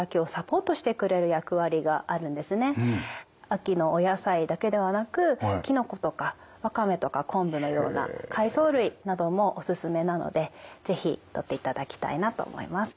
秋のお野菜だけではなくきのことかワカメとか昆布のような海藻類などもおすすめなので是非とっていただきたいなと思います。